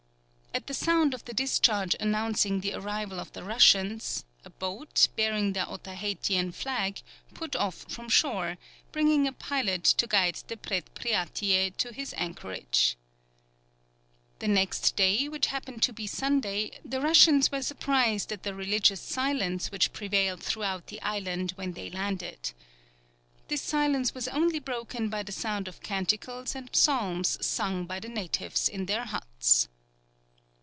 At the sound of the discharge announcing the arrival of the Russians, a boat, bearing the Otaheitian flag, put off from shore, bringing a pilot to guide the Predpriatie to its anchorage. The next day, which happened to be Sunday, the Russians were surprised at the religious silence which prevailed throughout the island when they landed. This silence was only broken by the sound of canticles and psalms sung by the natives in their huts.